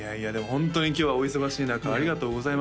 ホントに今日はお忙しい中ありがとうございました